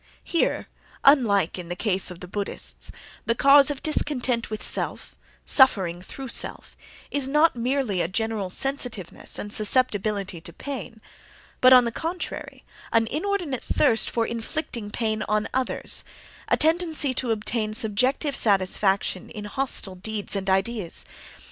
Here, unlike in the case of the Buddhists, the cause of discontent with self, suffering through self, is not merely a general sensitiveness and susceptibility to pain, but, on the contrary, an inordinate thirst for inflicting pain on others, a tendency to obtain subjective satisfaction in hostile deeds and ideas.